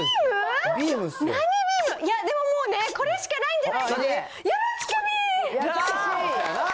いや、でももうね、これしかないんです。